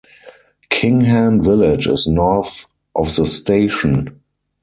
Kingham village is north of the station.